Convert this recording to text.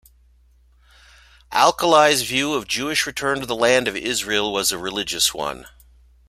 Alkalai's view of Jewish return to the Land of Israel was a religious one.